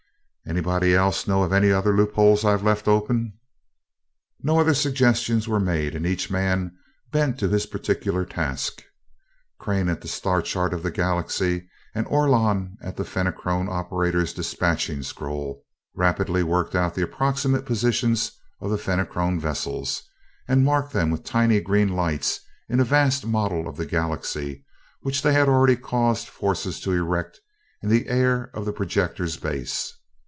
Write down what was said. Anybody else know of any other loop holes I've left open?" No other suggestions were made, and each man bent to his particular task. Crane at the star chart of the Galaxy and Orlon at the Fenachrone operator's dispatching scroll rapidly worked out the approximate positions of the Fenachrone vessels, and marked them with tiny green lights in a vast model of the Galaxy which they had already caused forces to erect in the air of the projector's base.